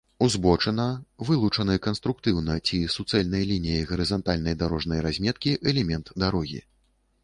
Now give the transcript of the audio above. узбочына — вылучаны канструктыўна ці суцэльнай лініяй гарызантальнай дарожнай разметкі элемент дарогі